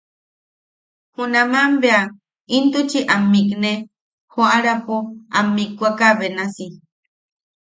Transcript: Junaman bea intuchi am mikne joarapo am mikwaka benasi.